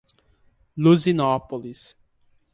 Luzinópolis